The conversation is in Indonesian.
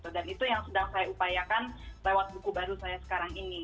dan itu yang sedang saya upayakan lewat buku baru saya sekarang ini